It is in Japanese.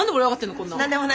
こんな。